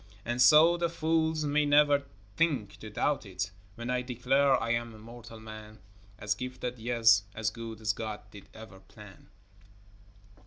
And so the fools may never think to doubt it, When I declare I am a moral man, As gifted, yet as good as God did ever plan.